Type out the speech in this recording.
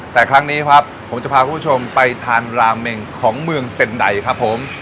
แต่ครั้งนี้ครับผมจะพาคุณผู้ชมไปทานราเมงของเมืองเซ็นไดครับผม